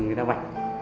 người ta vạch